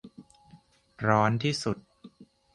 ร้อนที่สุด